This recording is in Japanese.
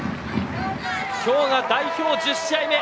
今日が代表１０試合目。